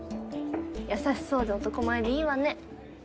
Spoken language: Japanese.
優しそうで男前でいいわね。